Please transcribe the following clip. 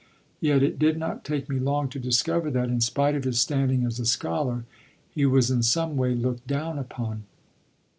Yet it did not take me long to discover that, in spite of his standing as a scholar, he was in some way looked down upon.